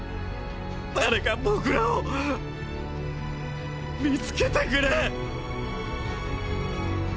誰か僕らを見つけてくれ。